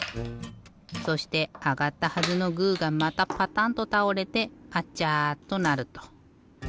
そしてあがったはずのグーがまたパタンとたおれてアチャとなると。